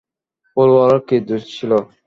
ফুলওয়ার কী দোষ ছিল?